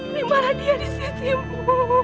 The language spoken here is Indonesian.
bimbala dia di sisimu